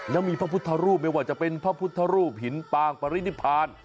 แล้วมีพระพุทธรูปไม่ว่าจะเป็นพระพุทธรูปหินปางปรินิพาน